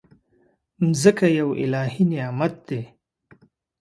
مځکه یو الهي نعمت دی.